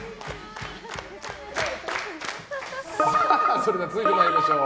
それでは続いて参りましょう。